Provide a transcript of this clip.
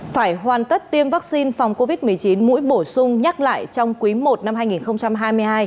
phải hoàn tất tiêm vaccine phòng covid một mươi chín mũi bổ sung nhắc lại trong quý i năm hai nghìn hai mươi hai